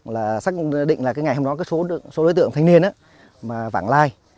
là xác định là ngày hôm đó số đối tượng thanh niên mà vẳng lai